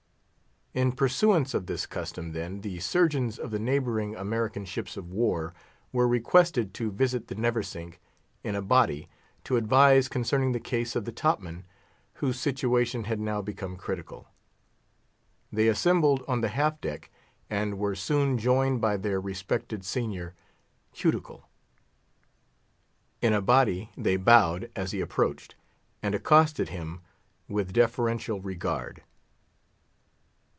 In pursuance of this custom, then, the surgeons of the neighbouring American ships of war were requested to visit the Neversink in a body, to advise concerning the case of the top man, whose situation had now become critical. They assembled on the half deck, and were soon joined by their respected senior, Cuticle. In a body they bowed as he approached, and accosted him with deferential regard.